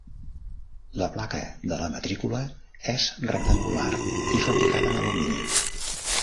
La placa de la matrícula és rectangular i fabricada en alumini.